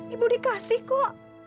ibu dikasih kok